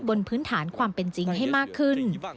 บนพื้นฐานความเป็นจริงให้มากขึ้น